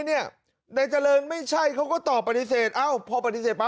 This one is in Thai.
ก็เรียกร้องให้ตำรวจดำเนอคดีให้ถึงที่สุดนะ